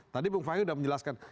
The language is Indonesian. tadi bung fahri sudah menjelaskan